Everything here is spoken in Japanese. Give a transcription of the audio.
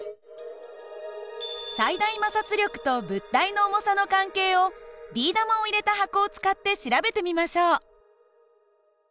最大摩擦力と物体の重さの関係をビー玉を入れた箱を使って調べてみましょう。